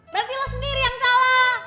berarti lo sendiri yang salah